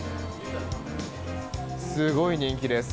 すごい人気です。